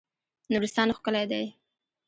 نورستان ښکلی دی.